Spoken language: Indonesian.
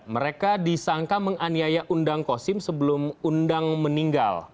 mereka disangka menganiaya undang kosim sebelum undang meninggal